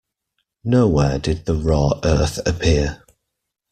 Nowhere did the raw earth appear.